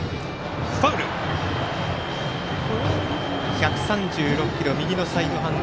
１３６キロ右のサイドハンド。